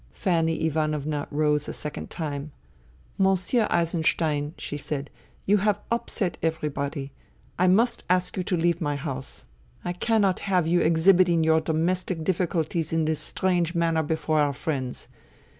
Fanny Ivanovna rose a second time. " Monsieur Eisenstein," she said, " you have upset everybody. I must ask you to leave my house. I cannot have you exhibiting your domestic difficulties in this strange manner before our friends.